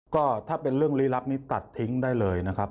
ก็ถ้าเป็นเรื่องลี้ลับนี้ตัดทิ้งได้เลยนะครับ